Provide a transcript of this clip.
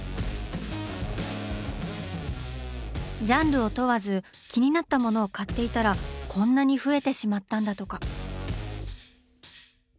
ジャンルを問わず気になったものを買っていたらこんなに増えてしまったんだとか。